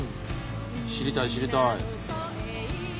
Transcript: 知りたい知りたい。